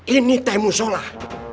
ini temus sholah